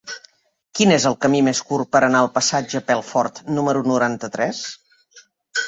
Quin és el camí més curt per anar al passatge Pelfort número noranta-tres?